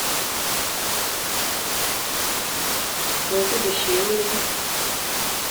muze dushimire